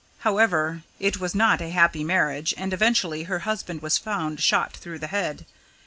However, it was not a happy marriage, and eventually her husband was found shot through the head.